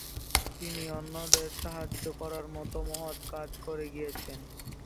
তিনি অন্যদের সাহায্য করার মত মহৎ কাজ করে গিয়েছেন।